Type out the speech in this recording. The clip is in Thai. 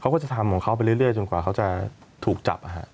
เขาก็จะทำของเขาไปเรื่อยจนกว่าเขาจะถูกจับ